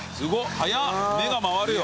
速っ目が回るよ。